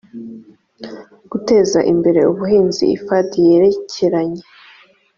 guteza imbere ubuhinzi ifad yerekeranye